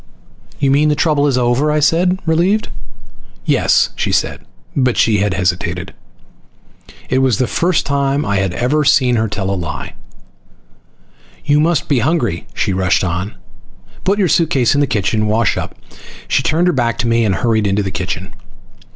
"You mean the trouble is over?" I said, relieved. "Yes," she said. But she had hesitated. It was the first time I had ever seen her tell a lie. "You must be hungry," she rushed on. "Put your suitcase in the room and wash up." She turned her back to me and hurried into the kitchen.